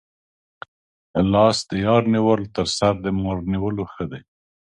لاس د یار نیول تر سر د مار نیولو ښه دي.